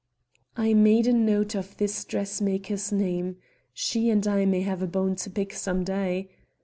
I made a note of this dressmaker's name. She and I may have a bone to pick some day.